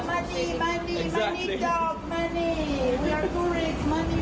มีเงินมีเงินมีเงินมีเงินมีเงินมีเงินมีเงินมีเงิน